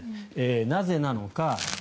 なぜなのか。